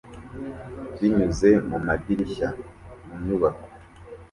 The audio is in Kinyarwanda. Binyuze mu madirishya mu nyubako